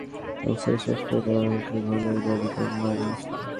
দেশের গণতান্ত্রিক নির্বাচনী ব্যবস্থাকে শেষ করে দেওয়া হয়েছে বলেও দাবি করেন মইনুল ইসলাম।